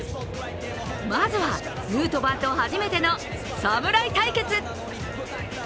まずは、ヌートバーと初めての侍対決！